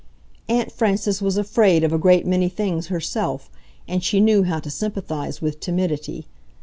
Aunt Frances was afraid of a great many things herself, and she knew how to sympathize with timidity.